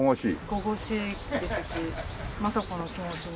神々しいですし政子の気持ちに。